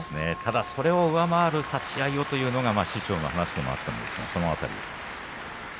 それを上回る立ち合いというのが、師匠の話でもあったんですけどね。